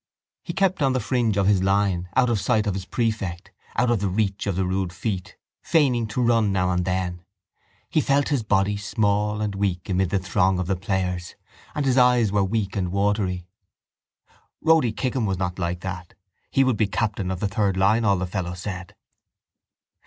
He kept on the fringe of his line, out of sight of his prefect, out of the reach of the rude feet, feigning to run now and then. He felt his body small and weak amid the throng of the players and his eyes were weak and watery. Rody Kickham was not like that: he would be captain of the third line all the fellows said.